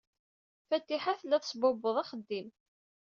Fatiḥa tella tesbubbuḍ axeddim.